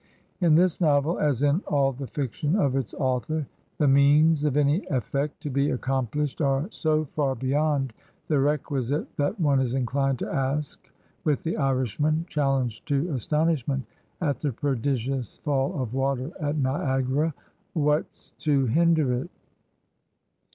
In this novel, as in all the fiction of its author, the means of any effect to be accomplished are so far beyond the requisite that one is inclined to ask with the Irishman challenged to astonishment at the prodigious fall of water at Niagara, " What's to hinder it?"